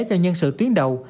cho nhân sự tuyến đầu